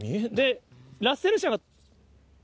ラッセル車が。